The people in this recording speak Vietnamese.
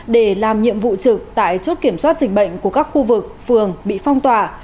để làm nhiệm vụ trực tại chốt kiểm soát dịch bệnh của các khu vực phường bị phong tỏa